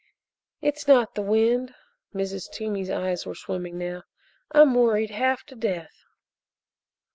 "It's not the wind." Mrs. Toomey's eyes were swimming now. "I'm worried half to death."